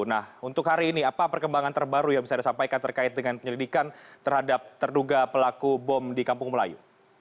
nah untuk hari ini apa perkembangan terbaru yang bisa disampaikan terkait dengan penyelidikan terhadap terduga pelaku bom di kampung melayu